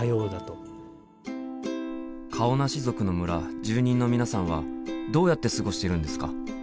顔なし族の村住人の皆さんはどうやって過ごしているんですか？